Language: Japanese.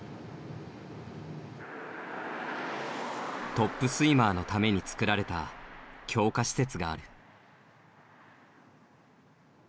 トップスイマーのためにつくられた強化施設がある。